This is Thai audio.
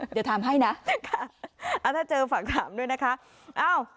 เดี๋ยวถามให้นะถ้าเจอฝากถามด้วยนะคะอ้าว